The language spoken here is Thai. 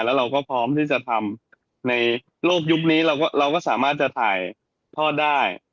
แล้วเราก็พร้อมที่จะทำในโลกยุคนี้เราก็สามารถจะถ่ายทอดได้